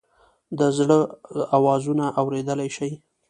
د زړه آوازونه اوریدلئ شې؟